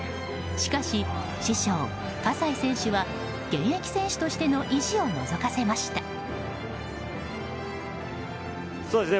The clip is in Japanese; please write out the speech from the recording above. しかし、師匠・葛西選手は現役選手としての意地をのぞかせました。